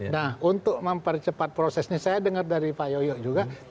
nah untuk mempercepat prosesnya saya dengar dari pak yoyo juga